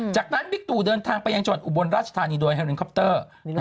จากนั้นบิ๊กตู่เดินทางไปยังจังหวัดอุบลราชธานีโดยเฮลินคอปเตอร์